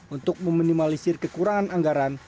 untuk meminimalisir kekurangan anggaran